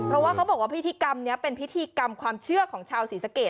เพราะว่าพิธีกรรมเป็นพิธีกรรมความเชื่อของชาวศรีสเกส